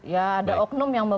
ya ada oknum yang